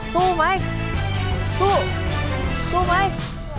สู้ไหมสู้สู้ไหม